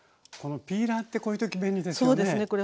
このピーラーってこういう時便利ですよね。